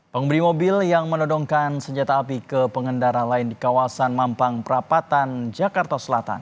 pemberi mobil yang menodongkan senjata api ke pengendara lain di kawasan mampang perapatan jakarta selatan